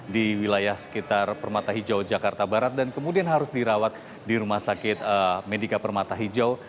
di wilayah sekitar permata hijau jakarta barat dan kemudian harus dirawat di rumah sakit medika permata hijau